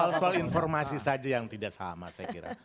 soal soal informasi saja yang tidak sama saya kira